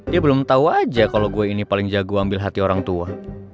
dia belum tahu aja kalau gue ini paling jago ambil hati orang tua